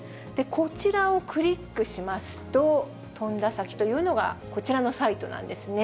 こちらをクリックしますと、飛んだ先というのが、こちらのサイトなんですね。